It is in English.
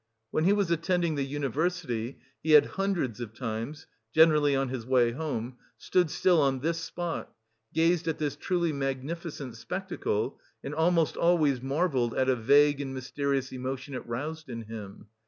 When he was attending the university, he had hundreds of times generally on his way home stood still on this spot, gazed at this truly magnificent spectacle and almost always marvelled at a vague and mysterious emotion it roused in him.